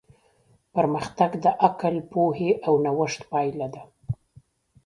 پرمختګ د عقل، پوهې او نوښت پایله ده.